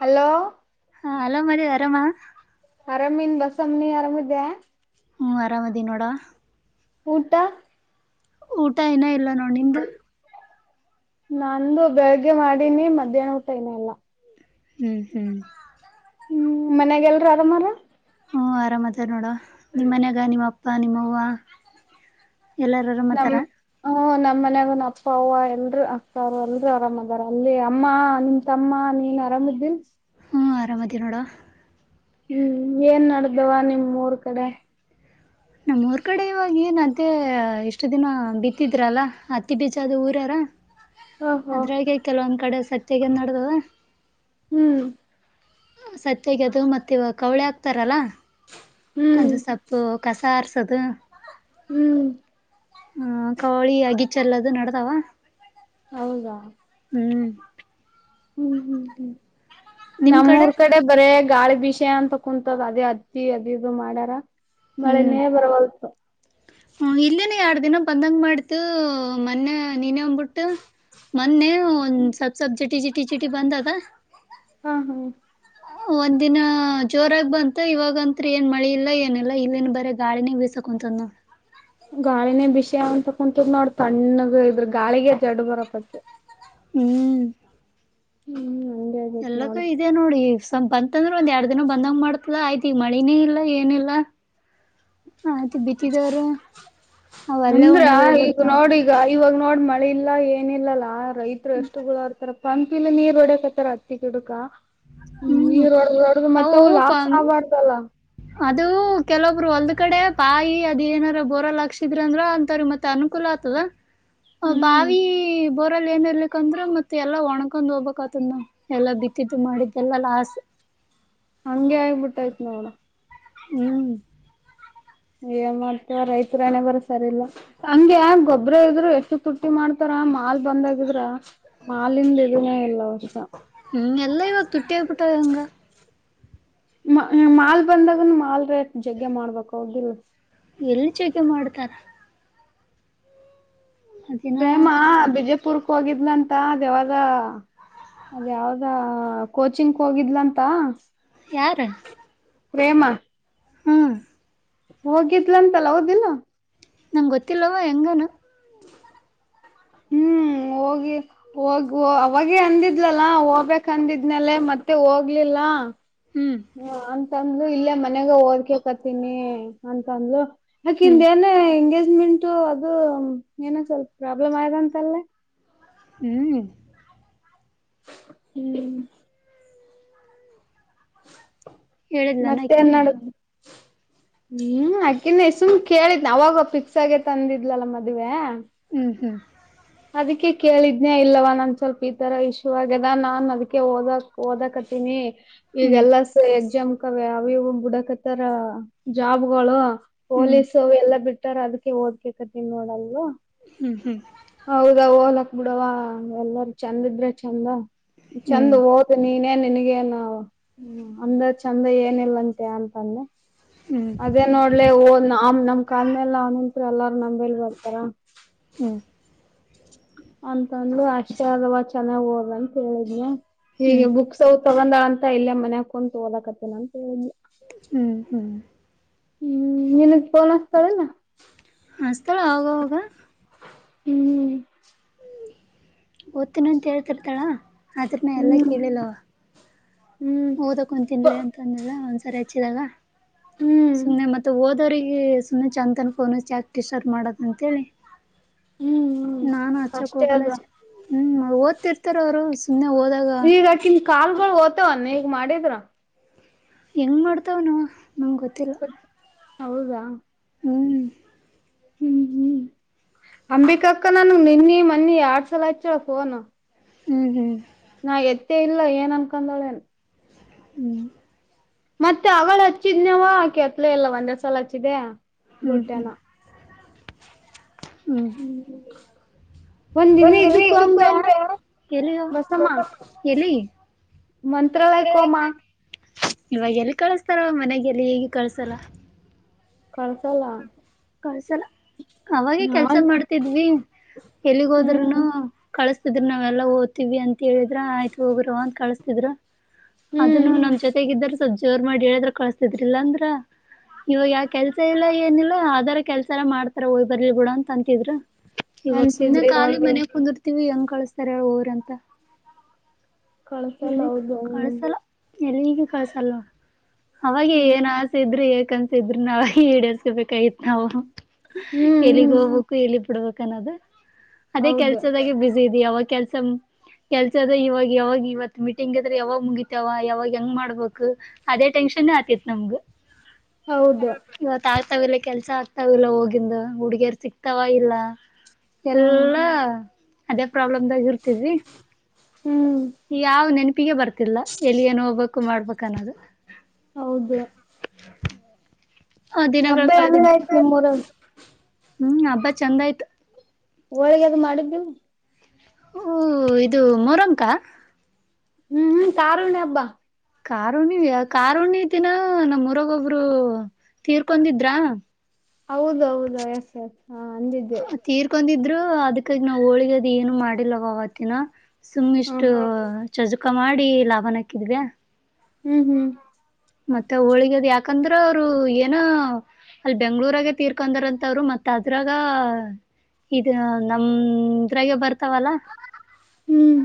Hello ಹ hello ಮಿ ವರಮ್ಮ ಅರಾಮನ್ ಬಸಮನಿ ಅರಾಮಿದ್ಯಾ ಹ್ಞೂ ಆರಾಮದ ನೋಡಾ ಊಟ ಊಟ ಏನ ಇಲ್ಲ ನೋ ನಿಿಂದ ನಂದು ಬೆಳಿಗ್ಗೆ ಮಾಡಿನಿ ಮಧ್ಯಾಹ್ನ ಊಟ ಇನ ಎಲ್ಲ ಹ್ಮ್ ಹ್ಮ್ ಹ್ಮ್ ಮನ್ಯಾಗಲ್ರ ಆರಾಮಾರ ಹ್ಞೂ ಆರಾಮತ ನೋಡೋ ನಿಮ್ಮ ಮನ್ಯಾಗ ನಿಮ್ಮ ಅಪ್ಪ ನಿಮ್ಮೂವ ನಮ್ ಎಲ್ಲಾರರಮ್ಮತಾರ ಹ ನಮ್ಮ ಮನಯಾಗನ್ ಅಪ್ಪ ಅ ಎಲ್ರು ಅಕ್ಕರು ಎಲ್ರುೂ ಆರಾಮ್ದಾರ ಅಲ್ಲಿ ಅಮ್ಮ ನಿಮ ತಮ್ಮ ನೀನ್ ಆರಾಮಿದ್ದ ಹ್ಞೂ ಆರಾಮದ ನೋಡ ಹ್ಮ್ ಏನ್ ನಡ್ದವ ನಿಮ್ ಮೂರ್ ಕಡೆ ನಮ್ಮ್ ರ್ ಕಡೆ ಇವಾಗ ಏನ್ ಅತ್ತೆ ಇಷ್ಟು ದಿನ ಬಿತ್ತಿದ್ರಲ್ಲ ಹತ್ತಿ ಬೀಜಾದ ಊರಾರ ಓಹೋ ಅದ್ರಾಗೆ ಕೆಲವ ಒಂದ್ ಕಡೆ ಸತ್ಯಗೆ ನಡದವ ಹ್ಮ್ ಸತ್ಯಾಗ ಅದು ಮತ್ತೆ ಇವ ಕವಳೆ ಹಾಕ್ತಾರಲ್ಲ ಹ್ಮ್ ಅದು ಸೊಪ್ಪು ಕಸ ಆರ್ಸದು ಹ್ಮ್ ಹ ಕವಳಿ ಅಗಿಚೆಲ್ಲದು ನಡದಾವ ಹೌದಾ ಹ್ಮ್ ಹ್ಮ್ ಹ್ಮ್ ಹ್ಮ್ ನಮ್ಮೂರ್ ಕಡೆ ಬರ ಗಾಳಿ ಬಿೀಷಯ ಅಂತ ಕುೂಂತದ ಅದೇ ಅತ್ತಿ ಅದಿದದು ಮಾಡಾರ ಮಳೆನೇ ಬರವಲ್ಪ ಹ ಇಲ್ಲೇನೆ ಯಾರ್ ದಿನ ಬಂದಂಗ ಮಾಡ್ತು ಮೊನ್ನೆ ನೀನೇ ಒಂದ್ಬಿಟ್ಟು ಮೊನ್ನೆ ಒಂದ್ ಸಬ್ ಸಬ್ ಜಿಟಿ ಜಿಟಿ ಜಿಟಿ ಬಂದದ ಹಾ ಹಾ ಒಂದ ದಿನ ಜೋರಾಗಿ ಬಂತ ಇವಾಗತ್ ಏನ್ ಮಳಿ ಇಲ್ಲ ಏನಲ್ಲ ಇಲ್ಲಿನ್ ಬರ ಗಾಳಿನ ಬಿಸ ಕುಂತನ್ನು ಗಾಳಿನೇ ಬಿಷಯ ಅಂತ ಕುಂತ ನೋಡ ತಣ್ಣಗ ಇದ್ರ ಗಾಳಿಗೆ ಜಡ್ ಬರಪತಿ ಹ್ಮ್ ಹ್ಮ್ ಹಂಗೆ ಆಗೇತ್ ಎಲ್ಲಕ್ಕೂ ನೋಡು ಇದೆ ನೋಡಿ ಸ್ವಪ ಬಂತಂದ್ರೆ ಒಂದ್ ಎರಡ್ ದಿನ ಬಂದಂಗ ಮಾಡ್ತದ ಆಯ್ತಿ ಈ ಮಳಿನೇ ಇಲ್ಲ ಏನಿಲ್ಲ ಆಯ್ತ ಬಿತ್ತಿದವರು ಅವಲ್ಲ ಒಣಿಗೋಗ್ಬಿಡ್ತಾವ ಇವಾಗ ನೋಡ್ ಮಳೆ ಇಲ್ಲ ಏನ ಇಿಲ್ಲಲ್ಲಾ ರೈತರು ಎಷ್ಟು ಗುಳ ಅರ್ತಾರ ಪಂಪಲಿ ನೀರ್ ಹೊಡಕ್ತ್ತಾರ ಹತ್ತಿ ಗಿಡಕ ಹ್ಮ್ ನೀರ್ಡಡ್ದ ಮತ್ತೆ ಅವು ಲಾಸ್ ಆಗ್ಬಾರ್ದಲ್ಲ ಅದು ಕೆಲವಬ್ರು ಒಲ್ ಕಡೆ ಬಾಯಿ ಅದ ಏನಾರ ಬರಲ್ ಹಕ್ಷಿದ್ರ ಅಂದ್ರ ಅಂತಾರ ಮತ್ತೆ ಅನುಕೂಲ ಆಗ್ತದ ಹ ಹ್ಮ್ ಬಾವ ಬ ್ರಲ್ಲಿ ಏನ್ ಇರ್ಲಿಕ್ ಅಂದ್ರೆ ಮತ್ತೆ ಎಲ್ಲ ಒಣಕೊಂಡ್ ಹೋಗ್ಬೇಕಕ್ತನ್ನ ಎಲ್ಲಾ ಬಿತ್ತಿದ್ದು ಮಾಡಿದ ಜನ್ಮಲಸ್ ಹಂಗೆ ಆಗ್ಬಿಟ್ಟಾಯ್ತ್ ನೋಡ ಹ್ಮ್ ಏನ್ ಮಾಡ್ತವ ರೈತರು ಏನೇ ಬರ ಸರಿ ಇಲ್ಲ ಹಂಗ ಯ ಗೊಬ್ಬ್ರ ಇದ್ರು ಎಷ್ಟು ತುರ್ಟ್ಟಿ ಮಾಡ್ತಾರ ಮಾಲ್ ಬಂದ್ಾಗಿದ್ರ ಮಾಲಿಂದ ಇದುನೇ ಇಲ್ಲ ಹೊರ್ಷ ಹ ಎಲ್ಲ ಇಗ ತುಟ್ಟಿಯ ಬಿಟ್ಟಂಗ ಮಾಲ್ ಬಂದಾಗನು ಮಾಲ್ ರೇಟ್ ಜಗ್ಗೆ ಮಾಡ್ಬೇಕು ಹೋಗುದಿಲ್ಲ ಎಲ್ಲಿ ಚೌಕೆ ಮಾಡ್ತಾರ ಪ್ರೇಮ ದಿನಾಕ ಬಿಜೆಪುರ್ಕ್ ಹೋಗಿದ್ಲಂತ ದೇವಾಲ ಅದ ಯಾವ್ದ ಕೋಚಿಂಗ್ ಹೋಗಿದ್ಲ ಅಂತ ಯಾರ ಪ್ರೇಮ ಹ್ಮ್ ಹೋಗಿದ್ಲ ಅಂತಲ್ಲ ಹಓದಿಲ್ಲ ನಂ ಗೊತ್ತಿಲ್ಲವ ಹೆಂಗಾನ [inaudible] ಹ್ಮ್ [inaudible] ಹೋಗಿ ಹೋಗ ಅವಾಗೆ ಅಂದಿದ್ಲಲ್ಲಾ ಹೋಗ್ಬೇಕಕ್ ಅಂದಿದ್ನಲೆ ಮತ್ತೆ ಹೋಗ್ಲಿಲ್ಲ ಹ್ಮ್ ಹ ಅಂತಂದ ಇಲ್ಲೇ ಮನೆಗ ಓದ್ಕ ಕತೀನಿ ಅಂತಂದ್ರು ಹ್ಮ್ ಹಕಿಂದೇನೆ ಹೆಂಗಗೆ ಿಂಟು ಅದು ಏನ ಸ್ವಲ್ಪ ಪ್ರಾಬ್ಲಮ್ ಆಯದ ಅಂತಲ್ಲೇ ಹ್ಮ್ ಹ್ಮ್ ಹ ಹೇಳಿದ್ ನಾನಾಯ್ಕನೇ ಹ್ಮ್ ಅಕನ್ ಸುಮ್ ಕೇಳಿದ್ ಅವಾಗ ಫಿಕ್ಸ್ ಆಗೇತಂದಿದ್ಲಲ್ಲ ಮದ್ುವವೆ ಹ ಅದಕ್ಕೆ ಕೇಳಿದನೇ ಇಲ್ಲವ ನೊಂದು ಸ್ವಲ್ಪ ಈ ಥರ ಇಶ್ಯೂ ಆಗ್ಯದ ನಾನು ಅದಕ್ಕೆ ಓದೋಕ್ಕೆ ಓದಕತ್ತೀನಿ ಹ್ಮ್ ಈಗಲ್ಲ ಸ ಎಕ್ಸಾಮ್ ಕವೆ ಅವಿವ ಬುಡಕತ್ತಾರ ಜಾಬ್ಗಳು ಹ್ಮ್ ಪೊಲೀಸ ಎಲ್ಲಾ ಬಿಟ್ಟಾರ ಅದಕ್ಕೆ ಓದ್ಬೇಕತ್ವ ನೋಡಲ್ವಾ ಹ್ಮ್ ಹ್ಮ್ ಹೌದಾ ಓಲಾಕ್ ಬಿಡವ ಎಲ್ಲಾರ ಚಂದ ಇದ್ರೆ ಚೆಂದ ಚಂದ ಹ್ಮ್ ಹಓದ ನೀನೇನ್ ನಿನಗ ನಾ ಅಂದ ಚಂದ ಏನಿಲ್ಲಂತೆ ಅಂತಂದೆ ಹ್ಮ್ ಹ್ಮ್ ಅದೇ ನೋಡ್ಲೆ ನಮ್ ನಮ್ ಕಾಲ ಮೇಲೆ ಅವನಂತ ಎಲ್ಲಾರು ನಂಬೇಲ್ ಬರ್ತಾರ ಹ್ಮ್ ಅಂತಂದು ಅಷ್ಟ ಅಲ್ವಾ ಚೆನ್ನಾಗ್ ಹೋದ್ರಂತ ಹೇಳೇದ್ನ ಹ್ಮ್ ಹೀಗೆ ಬುಕ್ಸ್ ಅವ ತಗೊಂಡ ಅಂತ ಎಲ್ಲ ಮನೆ ಹಕೊಂಡು ತೋದಲಕತ್ತೇನ ಅಂತ ಹೇಳಿ ಹ್ಮ್ ಹ್ಮ್ ನಿನಗ್ ಫೋನ್ ಹಚ್ಚುತ್ತಾಳೆನು ಹಚ್ತಾಳ ಅವಾಗವಾಗ ಹ್ಮ್ ಓತ್ತುನ ಅಂತೇಳ್ತಿರ್ತಾಳ ಆದ್ರನ ಎಲ್ಲ ಹ್ಮ್ ಕೇಳಿಲ್ಲವ ಹ್ಮ್ ಓದಕೊ ತಿನ್ಲಿ ಅಂತ ಅಂದಳ ಒಂದ್ಸರಿ ಹಚ್ಚಿದಾಗ ಹ್ಮ್ ಹ್ಮ್ ಸುಮ್ನೆ ಮತ್ತ ದ ವರಿಗೆ ಸುಮ್ಮನೆ ಚಂತನ್ ಫೋನು ಚಾಕ್ಟರ್ ಮಾಡೋದ ಅಂತೇಳಿ ಹ್ಮ್ ನಾನು ಅಚ್ಚಕ್ ಅಷ್ಟೇ ಹೋಗಲ್ಲೆ ಅದ ಹ್ಮ್ ಓದ್ತಿರ್ತಾರ ಅವರು ಸುಮ್ನೆ ಹೋದಾಗ ಈಗಕಿನ್ ಕಾಲ್ಗಳು ಓವ ನೀ ಈಗ ಮಾಡಿದ್ರ ಹೆಂಗ್ಮಾಡ್ತಾವ ನ ನಮ್ಗೆ ಗೊತ್ತಿಲ್ಲ ಹೌದಾ ಹ್ಮ್ ಹ್ಮ್ ಹ್ಮ್ ಅಂಬಿಕಾ ಅಕ್ಕ ನನ್ಗ್ ನಿನ್ನಿ ಮನ್ನಿ ಎಡ್ ಸಲ ಆಯತಳ ಫೋನ್ ಹ್ಮ್ ಹ್ಮ್ ನಾ ಎತ್ತೇ ಇಲ್ಲ ಏನ್ ಅನ್ಕಂದಳೇನ್ ಹ್ಮ್ ಮತ್ತೆ ಅವಳ ಹಚ್ಚಿದ್ನವ ಆಕೆ ಅತ್ಲ ಎಲ್ಲ ಒಂದೇ ಸಲ ಹಚ್ಚಿದೆ ಹ್ಮ್ ಬುಟ್ಟ್ಯನ ಹ್ಮ್ ಹ್ಮ್ ಒಂದ್ ದಿನ ಇದ್ದಕ್ಕು ಅಂದ್ರ ಎಲ್ಲಿಯ ಬಸಮ್ಮ ಎಲ್ಲಿ ಮಂತ್ರಾಲಯ ಕಮ ಇವಾಗ ಎಲ್ಲಿ ಕಳಸ್ತಾರ ಮನೆಗೆ ಎಲ್ಲಿ ಹೇಗೆ ಕಳ್ಸಲ್ಲ ಕಳ್ಸಲ್ಲ ಕಳ್ಸಲ್ಲ ಅವಾಗೆ ಕೆಲ್ಸ ನಾನ್ ಮಾಡ್ತಿದ್ವಿ ಎಲ್ಲಿಗ್ ಹ್ಮ್ ಹೋದ್ರುನು ಕಳಿಸ್ತಿದ್ವಿ ನಾವೆಲ್ಲಾ ದ್ತೀವಿ ಅಂತ ಹೇಳಿದ್ರ ಆಯ್ತು ಹೋಗರ ಅಂತ ಕಳಸ್ತಿದ್ರ ಹ್ಮ್ ಅದನ್ನು ನಮ್ ಜೊತೆಗ ಇದ್ದ್ರ ಸ್ವಲ್ಪ್ ಜೋರ್ ಮಾಡಿ ಹೇಳಿದ್ರೆ ಕಳಸ್ತಿದ್ರಿಲ್ಲ ಅಂದ್ರ ಇವಾಗ ಯಾವ ಕೆಲ್ಸ ಇಲ್ಲ ಏನಿಲ್ಲ ಕೆಲ್ಸ ಎ ಮಾಡ್ತಾರ ಒಯ್ಬರ್ಲಿ ಬಿೂಡ ಅಂತ ಅಂತಿದ್ರ ಇವಾಗ ಸುಮ್ಮನೆ ಅಂತಿದ್ರು ಕಾಲಿ ಮ ಇವಾಗ ಕುರ್ತ ವಿ ಹೆಂಗ್ ಕಳಸ್ತಾರೆ ರಂತ ಕಳ್ಸಲ್ಲ ಹೌದು ಎಲ್ಲಿಗ ಕಸ ಅಲ್ವಾ ಅವಾಗ ಹ್ಮ್ ಏನ್ ಆಸೆ ಇದ್ರೆ ಯಏಕಂತ ಇದ್ರ ನಾವ ಈಡೇಸ್ಕಬೇಕಾಗಿತ್ ನಾವು ಹ್ಮ್ ಎಲ್ಲಿಗ್ ಹ್ಮ್ ಹೋಗ್ಬೇಕು ಎಲ್ಲಿ ಬಿಡ್ಬೇಕು ಅದೇ ಹೌದು ಕೆಲ್ಸದಾಗೆ ಬಿಸಿ ಇದ ಅವಾಗ ಕೆಲ್ಸ ಕೆಲ್ಸ ಅದ್ರೆ ಇವಾಗ ಯಾವಾಗ ಇವತ್ತು ಮೀಟಿಂಗ್ ಇದದ್ರೆ ಯಾವಾಗ ಮುಗಿತಾವ ಯಾವಾಗ ಹೆಂಗ್ ಮಾಡ್ಬೇಕು ಅದೇ ಟೆನ್ಷನ್ ಆತಿತ್ ನಮ್ಗ ಹೌದು ಇವತ ಆಗ್ತಾವಿಲ್ಲ ಕೆಲ್ಸ ಆಗ್ತವಿಲ್ಲ ಹೋಗಿಂದು ಹುಡ್ಗಿಯರ್ ಸಿಕ್ತಾವ ಇಲ್ಲ ಹಾ ಎಲ್ಲಾ ಅದೇ ಪ್ರಾಬ್ಲಮ್ದಾಗ ಇರ್ತಿದ್ವಿ ಹ್ಮ್ ಯಾವ್ ನೆನಪಿಗೆ ಬರ್ತಿಲ್ಲ ಎಲ್ಲಿ ನ್ ಹೋಗ್ಬೇಕು ಮಾಡ್ಬೇಕನ್ನೋದು ಹೌದು ಆ ದಿನಗಳು ಅಬ್ಬಾಯಿ ಹಂಗ ಆಯ್ತ್ ಕಳೆದಿದ್ದ ನಿಮ್ಮ್ೂಊರ ಹ್ಮ್ ಹಬ್ಬಾ ಚಂದ ಆಯ್ತ ಹೋಳಗೆ ಅದು ಮಾಡಿದ್ದೆವು ಇದು ಮೊರಂಕ ಹ್ಮ್ ಹ್ಮ್ ತಾರುಣ ಹಬ್ಬಾ ಕಾರುಣಿ ಕಾರುಣಿತಿನ ನಮ್ಮ್ ರಗ ಒಬ್ರು ತೀರ್ಕೊಂಡಿದ್ರಾ ಹೌದೌದು ಎಸ್ ಎಸ್ ಹಾ ಅಂದಿದ್ದೆ ತೀರ್ಕೊಂಡಿದ್ರು ಅದಕ್ಕಾಗಿ ನಾವ್ ಹೋಳಿಗೆದ್ ಏನು ಮಾಡಿಲ್ಲವ ಆವತ್ತಿನ ಸುಮ್ ಹಾ ಇಷ್ಟು ಹಾ ಚಜುಕ ಮಾಡಿ ಲಾಭನ ಹಾಕಿದ್್ಯಾ ಹ್ಮ್ ಹ್ಮ್ ಮತ್ತೆ ಹೋಳಗದ್ ಯಾಕಂದ್ರ ಅವರು ಏನೋ ಅಲ್ಲಿ ಬೆಂಗ್ಳೂರಾಗೆ ತೀರ್ಕೊಂಡರಂತವ್ರು ಮತ್ತತ್ ಅದ್ರಾಗ ಇದು ನಮ್ರಾಗ ಬರ್ತಾವಲ್ಲ ಹ್ಮ್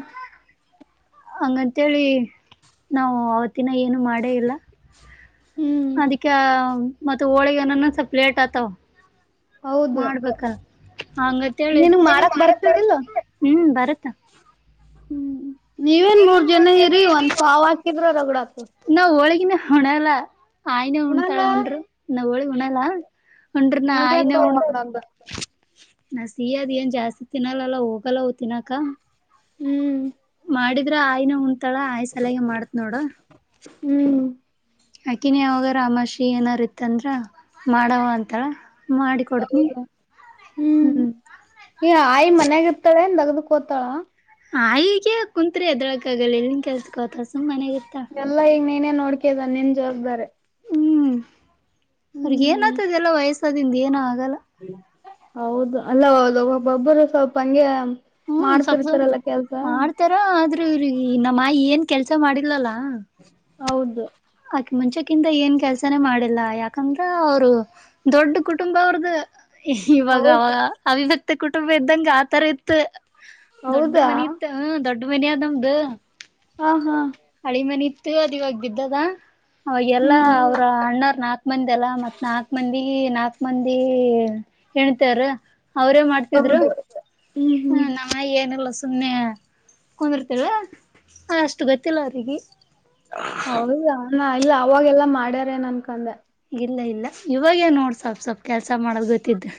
ಹಂಗಂತೇಳಿ ನಾವು ಅವತ್ತಿನ ಏನು ಮಾಡೇ ಇಲ್ಲ ಹ್ಮ್ ಅದಿಕ ಮತ್ತ ಹೋಳಿಗೆನ ಸ್ಪ್ಲೇಟ್ ಆತಾವ ಹೌದು ಮಾಡ್ಬೇಕಾ ಹಂಗತ್ ಹೇಳಿ ನಿನಗ್ ಮಾಡಕ್ ಬರ್ತದಿಲ್ಲ ಹ್ಮ್ ಬರತ್ತ ಹ್ಮ್ ನೀವೇನ್ ಮೂರ್ ಜನ ಇರಿ ಒಂದ ಪಾವ ಹಕಿದ್ರ ರಗಡಾತ ಇನ್ನು ಉಣಲ್ಲ ಆಯನ ಉಣ್ತಾಳ ಉಣಲ್ಲ ಉಂಡ್ರಿ ನಾವಳಿ ಉಣಲ್ಲ ಹನ್್ರಿ ನಯನ ಉಣ್ಬೇಕು ಉಣ ಒಂದೊಂದು ನಾ ಸಿಹ ಅದ್ ಏನ್ ಜಾಸ್ತಿ ತಿನ್ನಲ್ಲಲ್ಲ ಹೋಗಲ್ಲ ತಿಿನಾಕ ಹ್ಮ್ ಮಾಡಿದ್ರ ಆಯಿನ ಉಂ್ತಾಳ ಆಯ ಸಲಯಾಗ ಮಾಡತ್ ನೋಡ ಹ್ಮ್ ಆಕಿನಿ ಅವಾಗ ರಾಮಾಷಿ ಏನಾರ ಇತ್ತಂದ್ರ ಮಾಡವ ಅಂತಳ ಹೌದ ಹ್ಮ್ ಈ ಆಯಿ ಮನ್ಯಾಗ ಇರ್ತಾಳೆಗ್ದ ಕೊೊತ್ತಳ ಹ ಈಗ ಕುಂತ್ರಿ ಎದಳಕ ಆಗಲ್ಲ ಎಲ್ಲಿನ್ ಕೆಲ್ಸಕೋತ ಸು್ ಮನೆಗ ಇರ್ತ ನೋಡ್ಕೆದ ನಿನ್ ಜೋರರ್್ದಾರೆ ಅವ್ರಗ ಏನ ಹ್ಮ್ ಆತದೆ ಎಲ್ಲ ವಯಸ್ಸಾದಿಂದ ಏನ ಆಗಲ್ಲ ಹೌದು ಅಲ್ಲ ಹೌದು ಒಬ್ಬೊಬ್ಬರು ಸ್ವಲ್ಪ ಹಂಗೆ ಹ್ಮ್ ಸ್ವಲ್ಪ ಮಾಡ್ತಿರ್ತಾರಲ್ಲ ಕೆಲ್ಸ ಮಾಡ್ತಾರ ಆದ್ರೆ ಇಿಗೆ ನಮ್ಮ ಏನ್ ಕೆಲ್ಸ ಮಾಡಿಲಲ್ಲಾ ಹೌದು ಆಕಿ ಮುಂಚೆಕ್ಕಿಂತ ಏನ್ ಕೆಲ್ಸಾನೇ ಮಾಡಿಲ್ಲ ಯಾಕಂದ್ರ ಅವರು ದೊಡ್ಡ ಕುಟುಂಬ ಅವ್ರದ ಇವಾಗ ಹೌದ ಅವಾಗ ಅವಿಿವ್ಯಕ್ತಿ ಕುಟುಂಬ ಇದ್ದಂಗ ಆತರ ಇತ್ತು ದೊಡ್ಡ ಹೌದಾ ಮನಿ ಇತ್ತು ಹ ದೊಡ್ಡ ಮನ ಆದಾದ ನಮ್ದು ಹಾ ಹಾ ದ್ ಇವಾಗ ಬ್ದದ ಅವಾಗ ಎಲ್ಲಾ ಹ್ಮ್ ಅವರ ಅಣ್ಣಾರ್ ನಾಲ್ಕ ಮಂದಿ ಎಲ್ಲಾ ಮತ್ ನಾಲ್ಕ ಮಂದಿ ಈ ನಾಕ್ ಮಂದಿ ಹೆಣತಾರ ಅವ್ರೇ ಮಾಡ್ತಿದ್ರು ಹೌದು ಹ್ಮ್ ಹ ಹ್ಮ್ ನಮ್ಮಿ ಏನಿಲ್ಲ ಸುಮ್ಮ್ನೆ ಕುಂದಿರ್ತಲ್ ಅಷ್ಟು ಗೊತ್ತಿಲ್ಲ ಅವರಿಗೆ ಹೌದಾ ಇಲ್ಲ ಅವಾಗೆಲ್ಲಾ ಮಾಡ್ಯಾರ ನನ್ಕಂದೆ ಇಲ್ಲ ಇಲ್ಲ ಇವಾಗೇ ನೋಡ್ ಸ್ವಪ್ ಸ್ವಲ್ಪ್ ಕೆಲ್ಸ ಮಾಡದು ಗೊತ್ತಿದ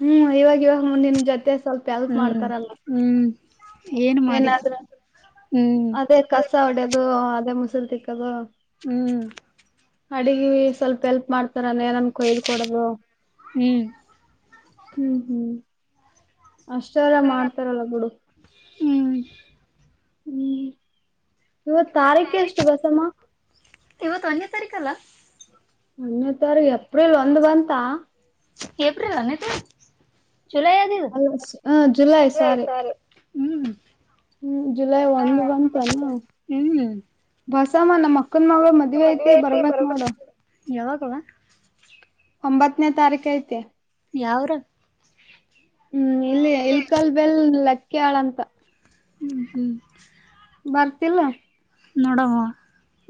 ಹ್ಮ್ ಇವಾಗ ಇವಾಗ ಮುಂದ ನಿನ್ ಜೊತೆ ಸ್ವಲ್ಪ ಎಲ್ಪ್ ಹ್ಮ್ ಮಾಡ್ತಾರಲ್ಲ ಹ್ಮ್ ಏನು ಮಾಡಿಲ್ಲ ಏನಾದ್ರ ಹ್ಮ್ ಅದೇ ಕಸ ಹೊಡೆಯದು ಅದೇ ಮುಸರು ತಿಕ್ಕೋದು ಹ್ಮ್ ಅಡಗಿ ಸ್ವಲ್ಪ ಎಲ್ಪ್ ಮಾಡ್ತಾರಾನ ನನ್ಕ ಇದ್ ಕೊಡದು ಹ್ಮ್ ಹ್ಮ್ ಹ್ಮ್ ಅಷ್ಟಾರ ಮಾಡ್ತಾರಲ್ಲ ಗುಡು ಹ್ಮ್ ಹ್ಮ್ ಇವತ್ ತಾರೀಕ ಎಷ್ಟು ಬಸಮ್ಮ ತಾರಕಲ್ಲ. ಮುನತ್ರ್ ಎಪ್ಡಿಲ್ಲಿ ಒಂದು ಬಂತ ಕೆಪ್ರಿಲ್ನ ತು ಜುಲೈ ಅಲ್ಲ ಹ ಜುಲೈ ಆದಗಿದ್ದಲ ಸಾರಿ ಸ ಹ್ಮ್ ಹ್ಮ್ ಜುಲೈ ಒಂದು್ ಬಂತಾನ ಹ್ಮ್ ಬಸ ಮನ ಮಕ್ಕ ಚಕಂದ ಮ ಮದ್ವೆ ಐತಿ ಬರ್ಬೇಕಕ್ ನೋ ಯಾವಾಗವ ಒಂಬತ್ತನೇ ತಾರೀಖ ಐತೆ ಯಾವರು ಹ್ಮ್ ಇಲ್ಲಿ ಇಲ್ ಕಾಲ್ ಬೆಲ್ ಲಕ್ಕ ಆಾಳ ಅಂತ.. ಹ್ಮ ಹ್ಮ್.. ಬರ್ತಿಲ್ಲ. ನೋಡುವ..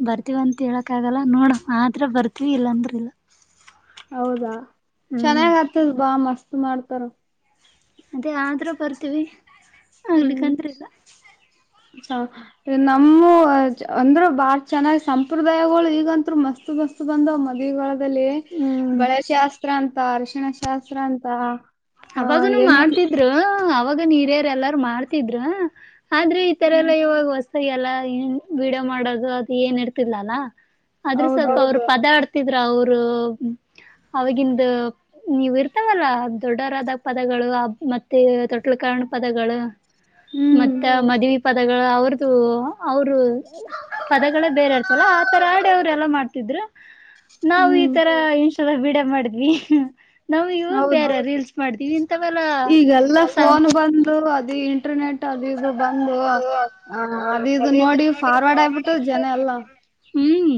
ಬರ್ತಿವ ಅಂತ ಹೇಳಕ್ ಆಗಲ್ಲ ನೋಡ ಆದ್ರ ಬರ್ತಿವಿ ಇಲ್ಲಾಂದ್ರ ಇಲ್ಲ.. ಹೌದಾ ಹ್ಮ್ ಚೆನ್ನಾಗ್ ಆಗ್ತದ ಬಾ ಮಸ್ತ್ ಮಾಡ್ತಾರ.. ಅದೇ ಆದ್ರೂ ಬರ್ತೀವಿ.. ಹ್ಮ್. ಆಗ್ಲಿಕ್ಕಂದ್ರ ಇಲ್ಲ ನಮ್ಮ ಅಂದ್ರ ಬಾಳ್ ಚೆನ್ನಾಗಿ ಸಂಪ್ರದಾಯಗಳು ಈಗಂತರು ಮಸ್ತ ಮಸ್ತ್ಬಂದ ಮದಿಗಳ.. ಹ್ಮ್ ಬಳೆಶಾಸ್ತ್ರ ಅಂತ ಅರಶಿಣ ಶಾಸ್ತ್ರ ಅಂತ.. ಹ ಅವಾಗನುೂ ಏನೇನ್ ಮಾಡ್ತಿದ್ರು ಅವಾಗ ನೀರ್ಯಾರ್ ಎಲ್ಲಾರು ಮಾಡ್ತಿದ್ರು.. ಆದ್ರೆ ಈ ತರ ಹ್ಮ್ ಎಲ್ಲ ಇವಾಗ ಹೊಸಾಗಿ ಎಲ್ಲ ಏನ್ ಬಿಡೋ ಮಾಡೋದು ಅದು ಏನ್ ಇರ್ತಿಲ್ಲ ಅಲ್ಲ.. ಆದ್ರ ಸ್ವಲ್ಪ ಹೌದು ಅವ್ರರು ಪದಾ ಆಡ್ತ.. ಇದ್ರ ಅವರು ಅವಗಂದ ನೀವು ಇರ್ತಾವಲ್ಲ.. ದೊಡ್ಡರಾದ ಪದಗಳು ಮತ್ತೆ ತೊಟ್ಲು ಕಾರ್ಣ ಪದಗಳು.. ಹ್ಮ್ ಮತ್ತ ಮದುವೆ.. ಪದಗಳು ಅವ್ರದುು ಅವರು ಪದಗಳೇ ಬೇರೆ ಇರ್ತವಲ್ಲ ಆತರ ಆಡಿ ಅವರು ಎಲ್ಲ ಮಾಡ್ತಿದ್ರು.. ನಾವು ಈ ಹ್ಮ್ ತರ ಇಂಷದ ಬಿಡ ಮಾಡಿದ್ವಿ ನಾವ ಇವು ಹೌದು ಬೇರೆ.. [unintelligible] ರೀಲ್ಸ್ ಮಾಡ್ದೀವಿ ಇಂತವಲ್ಲ.. ಇಂಟನೆಟ್ ಆಗಿದೆ.. ಬಂದು ಅದು ಇದು ನೋಡಿ ಫಾರ್ವರ್ಡ್ ಆಗ್ಬಿಟ್ಟು ಜನ ಎಲ್ಲ.. ಹ್ಮ್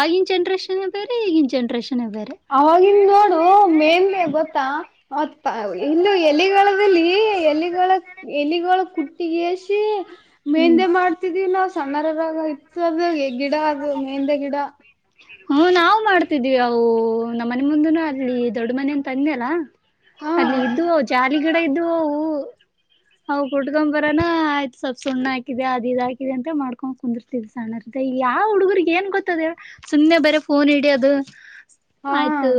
ಆಗಿನ ಜನ್ರೇಷನ್ ಬೇರೆ ಈಗಿನ ಜನ್ರೇಷನ್.. ಬೇರೆ. ಅವವಾಗಿನ್ ನೋಡು ಮೇಂದೆ ಗೊತ್ತಾ ಮತ್ತ. ಇನ್ನು ಎಲೆಗಳದಲ್ಲಿ ಎಲೆಗಳ ಎಲೆ ಕುಟ್ಟಗಸಿ ಹ್ಮ್ ಮೆಂದ.. ಎ ಮಾಡ್ತಿದೀವಿ ನಾವವು ಸಣ್ಣರರಾಗ ಇತ್ತು ಅದ ಗಿಡ ಅದು ಮೆಹಂದೆ ಗಿಡ.. ಹ್ಮ ನಾವವು ಮಾಡ್ತಿದ್ವಿ ಅವು ನಮ್ಮ ಮನೆ ಮುಂದನು ಅಲ್ಲಿ ದೊಡ್ಡ ಮನೆ ಅಂತಂದೆ ಅಲ್ಲ.. ಹಾ ಅಲ್ಲಿ ಇದ್ದು ಜಾಲಿಗಿಡ ಇದ್ದು ಅವು.. ಹ ಕುಟ್ಡ್ಕೊ ಬರನಾ ಆಯ್ತತ್ ಸ್ವಲ್ಪ್ ಸುಣ್ಣ ಹಾಕಿದಿದೆ ಅದ ಇದ್ ಹಾಕಿದಿದೆ ಅಂತ ಮಾಡ್ಕೊಂಡ್ ಕುಂದಿರ್ತಿದ್ ಸಣ್ಣರಿ.. ಯಾವ ಹುಡುಗರ್ಗ ಏನ್ ಗೊತ್ತದೆ ಸುಮ್ನೆ ಬರ ಫೋನ್ ಇಡಿಯೋದು.. ಹಾ ಆಯ್ತು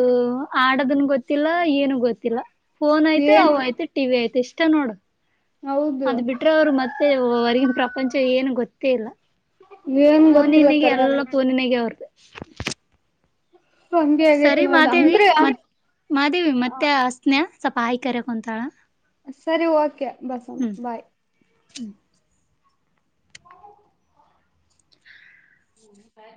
ಆಡದನ್ ಗೊತ್ತಿಲ್ಲ ಏನು ಗೊತ್ತಿಲ್ಲ.. ಫೋನ್ ಐ್ತು ಏನು ಅವ ಐ್ತೆ ಟಿವಿ ಆಯ್ತು ಇಷ್ಟ ನೋಡು.. ಹೌದು ಅದ್ ಬಿಟ್ರೆ ಅವರು ಮತ್ತೆ ಹೊರ್ಗಿನ ಪ್ರಪಂಚ ಏನು ಗೊತ್ತೇ ಇಲ್ಲ.. ಏನ್ ಗೊತ್ತಿಲ್ಲ ನಿನಿಗೆ ಕರೆ ಎಲ್ಲ ಅದು ಪೋನಿನಿಗೆ ಅವ್ರ್ದ.. ಹಂಗೆ ಆಗೇತ್ ಸರಿ ನೋಡ ಮಾದೇವಿ ಅಂದ್ರೆ ಮತ್ ಮಾದೇವಿ ಮತ್ತೆ ಅಸ್ನಯ.. ಸಪ ಆಯಕರ ಕುಂತಾಳ.. ಸರಿ ಓಕೆ ಬಸಮ್ಮ ಬಾಯ್.. ಹ್ಮ.. ಹ. [unintelligible]